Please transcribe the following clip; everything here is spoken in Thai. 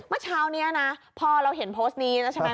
เมื่อเช้านี้นะพอเราเห็นโพสต์นี้แล้วใช่ไหม